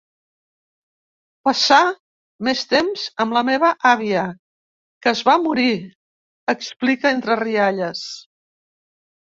Passar més temps amb la meva àvia… que es va morir, explica entre rialles.